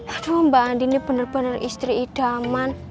aduh mbak andin ini bener bener istri idaman